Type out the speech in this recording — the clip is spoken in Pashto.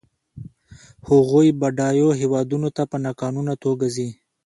هغوی بډایو هېوادونو ته په ناقانونه توګه ځي.